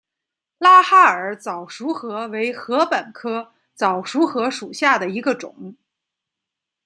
拉哈尔早熟禾为禾本科早熟禾属下的一个种。